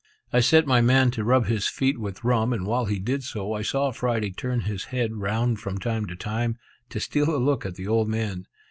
I set my man to rub his feet with rum, and while he did so, I saw Friday turn his head round from time to time, to steal a look at the old man.